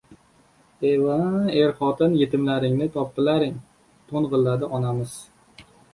— Ha, er-xotin yetimlaringni topdilaring! — to‘ng‘illadi onamiz.